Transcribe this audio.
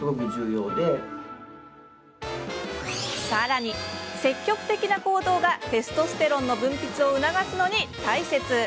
さらに、積極的な行動がテストステロンの分泌を促すのに大切。